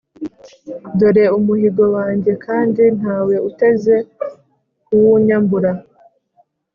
dore umuhigo wanjye kandi nta we uteze kuwunyambura.